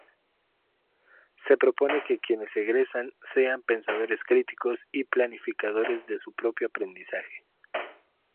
Se propone que quienes egresan sean pensadores críticos y planificadores de sus propio aprendizaje.